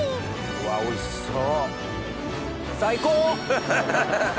うわおいしそう！